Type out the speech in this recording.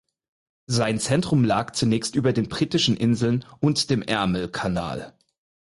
Sein Zentrum lag zunächst über den Britischen Inseln und dem Ärmelkanal.